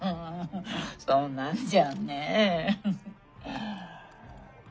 そんなんじゃね。